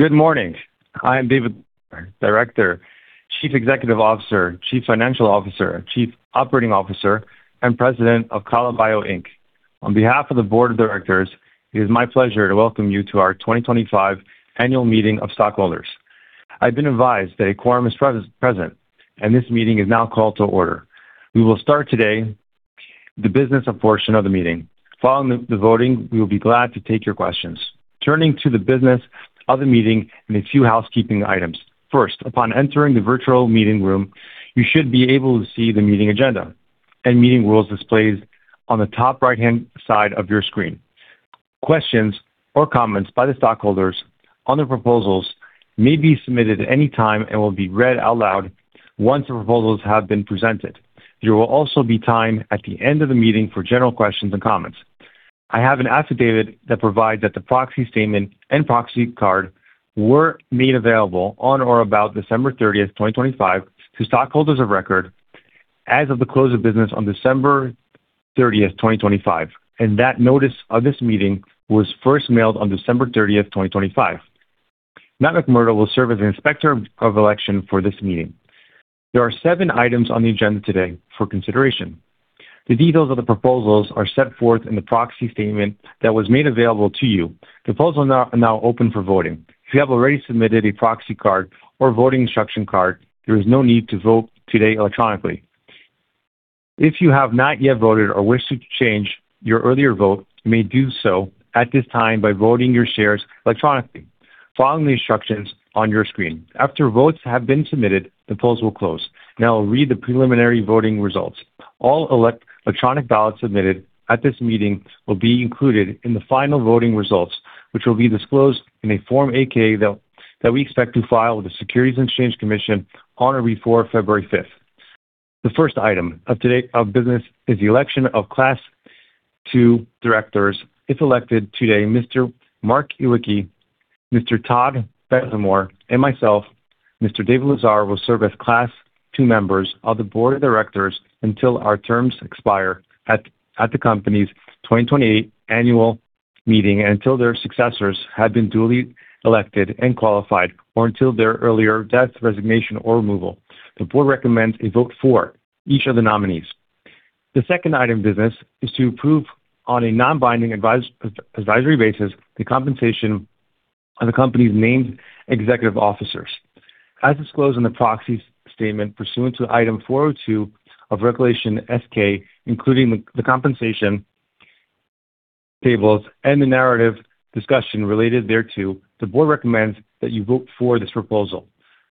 Good morning. I am David Lazar, Director, Chief Executive Officer, Chief Financial Officer, Chief Operating Officer, and President of Kala Bio, Inc. On behalf of the board of directors, it is my pleasure to welcome you to our 2025 annual meeting of stockholders. I've been advised that a quorum is present, and this meeting is now called to order. We will start today the business portion of the meeting. Following the voting, we will be glad to take your questions. Turning to the business of the meeting and a few housekeeping items. First, upon entering the virtual meeting room, you should be able to see the meeting agenda and meeting rules displayed on the top right-hand side of your screen. Questions or comments by the stockholders on the proposals may be submitted at any time and will be read out loud once the proposals have been presented. There will also be time at the end of the meeting for general questions and comments. I have an affidavit that provides that the proxy statement and proxy card were made available on or about December 30th, 2025, to stockholders of record as of the close of business on December 30th, 2025, and that notice of this meeting was first mailed on December 30th, 2025. Matthew McMurdo will serve as an inspector of election for this meeting. There are seven items on the agenda today for consideration. The details of the proposals are set forth in the proxy statement that was made available to you. The polls are now open for voting. If you have already submitted a proxy card or voting instruction card, there is no need to vote today electronically. If you have not yet voted or wish to change your earlier vote, you may do so at this time by voting your shares electronically. Follow the instructions on your screen. After votes have been submitted, the polls will close. Now read the preliminary voting results. All electronic ballots submitted at this meeting will be included in the final voting results, which will be disclosed in a Form 8-K that we expect to file with the Securities and Exchange Commission on or before February fifth. The first item of today's business is the election of Class II directors. If elected today, Mr. Mark Iwicki, Mr. Todd Bazemore, and myself, Mr. David Lazar will serve as Class II members of the board of directors until our terms expire at the company's 2028 annual meeting, and until their successors have been duly elected and qualified or until their earlier death, resignation, or removal. The board recommends a vote for each of the nominees. The second item of business is to approve on a non-binding advisory basis the compensation of the company's named executive officers. As disclosed in the proxy statement, pursuant to Item 402 of Regulation S-K, including the compensation tables and the narrative discussion related thereto, the board recommends that you vote for this proposal.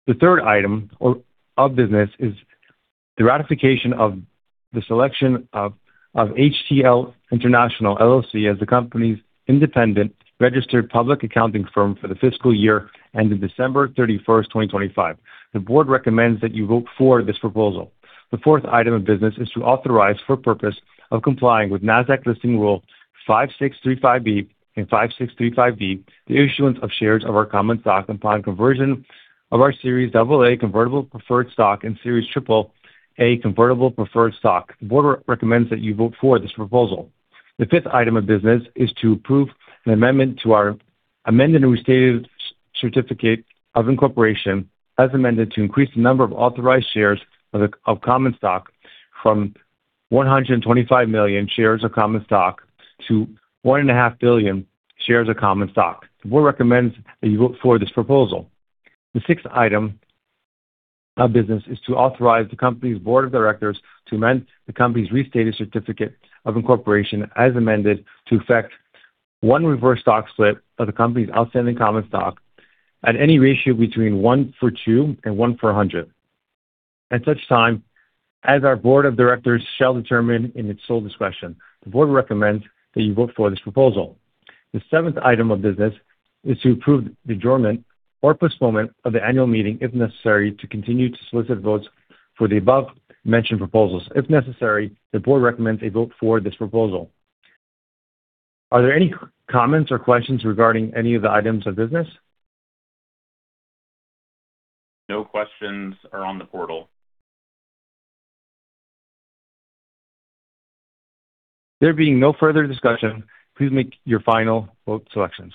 The third item of business is the ratification of the selection of HCL International LLC as the company's independent registered public accounting firm for the fiscal year ending December 31, 2025. The board recommends that you vote for this proposal. The fourth item of business is to authorize, for purpose of complying with Nasdaq listing Rule 5635(b) and 5635(b), the issuance of shares of our common stock upon conversion of our Series AA convertible preferred stock and Series AAA convertible preferred stock. The board recommends that you vote for this proposal. The fifth item of business is to approve an amendment to our amended and restated certificate of incorporation, as amended, to increase the number of authorized shares of the common stock from 125 million shares of common stock to 1.5 billion shares of common stock. The board recommends that you vote for this proposal. The sixth item of business is to authorize the company's board of directors to amend the company's restated certificate of incorporation, as amended, to effect one reverse stock split of the company's outstanding common stock at any ratio between 1-for-2 and 1-for-100, at such time as our board of directors shall determine in its sole discretion. The board recommends that you vote for this proposal. The seventh item of business is to approve the adjournment or postponement of the annual meeting, if necessary, to continue to solicit votes for the above-mentioned proposals. If necessary, the board recommends a vote for this proposal. Are there any comments or questions regarding any of the items of business? No questions are on the portal. There being no further discussion, please make your final vote selections.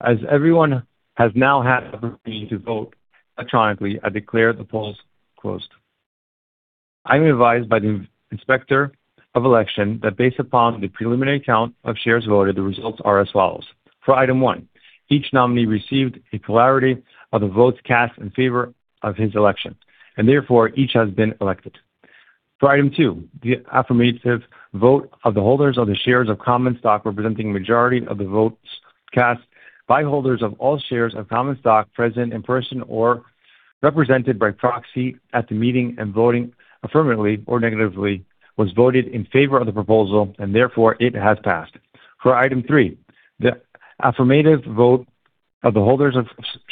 As everyone has now had the opportunity to vote electronically, I declare the polls closed. I'm advised by the Inspector of Election that based upon the preliminary count of shares voted, the results are as follows: For item one, each nominee received a plurality of the votes cast in favor of his election, and therefore each has been elected. For item two, the affirmative vote of the holders of the shares of common stock, representing a majority of the votes cast by holders of all shares of common stock present in person or represented by proxy at the meeting, and voting affirmatively or negatively, was voted in favor of the proposal, and therefore it has passed. For item three, the affirmative vote of the holders of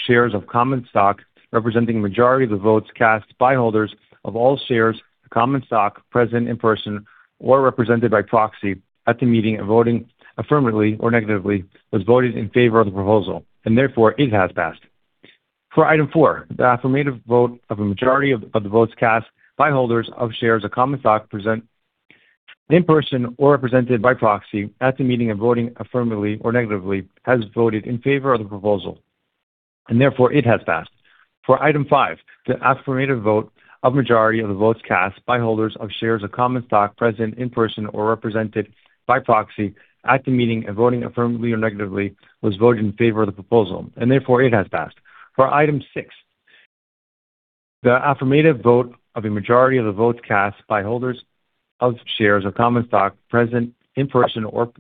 shares of common stock, representing a majority of the votes cast by holders of all shares of common stock present in person or represented by proxy at the meeting, and voting affirmatively or negatively, was voted in favor of the proposal, and therefore it has passed. For item four, the affirmative vote of a majority of the votes cast by holders of shares of common stock present in person or represented by proxy at the meeting, and voting affirmatively or negatively, has voted in favor of the proposal, and therefore it has passed. For item five, the affirmative vote of majority of the votes cast by holders of shares of common stock present in person or represented by proxy at the meeting, and voting affirmatively or negatively, was voted in favor of the proposal, and therefore it has passed. For item six, the affirmative vote of a majority of the votes cast by holders of shares of common stock present in person or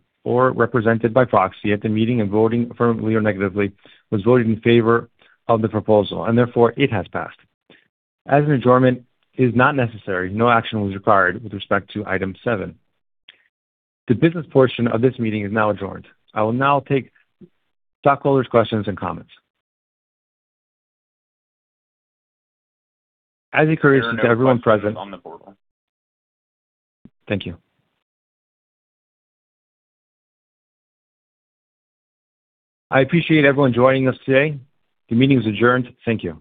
represented by proxy at the meeting, and voting affirmatively or negatively, was voted in favor of the proposal, and therefore it has passed. As an adjournment is not necessary, no action was required with respect to item seven. The business portion of this meeting is now adjourned. I will now take stockholders' questions and comments. As it occurs to everyone present- On the portal. Thank you. I appreciate everyone joining us today. The meeting is adjourned. Thank you.